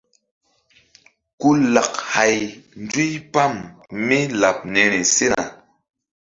Ku lak hay nzuypam mí laɓ niri sena.